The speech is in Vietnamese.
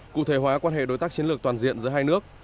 cụ thể hóa quan hệ đối tác chiến lược toàn diện giữa hai nước